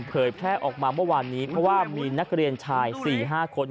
เผยแพร่ออกมาเมื่อวานนี้เพราะว่ามีนักเรียนชาย๔๕คน